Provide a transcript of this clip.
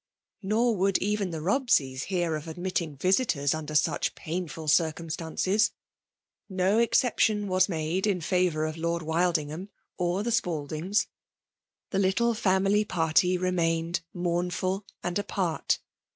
Nor would even the Robseys hear of admitting visitors under such painful circumstances. No exception was made in favour of Lord Wild* ingham or the Spaldings; the little family party remained moumfol and apart.